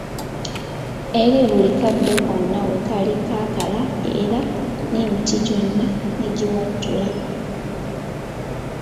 Era buli kaddo konna wekali kakala era n'emiti gyonna negiwaatula.